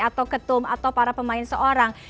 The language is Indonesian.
atau ketum atau para pemain seorang